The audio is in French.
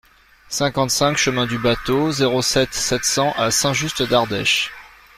cinquante-cinq chemin du Bâteau, zéro sept, sept cents à Saint-Just-d'Ardèche